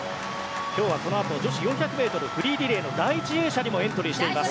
今日はこのあと女子４００ｍフリーリレーの第１泳者にもエントリーしています。